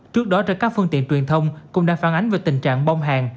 trước đó các phương tiện truyền thông cũng đã phản ánh về tình trạng bong hàng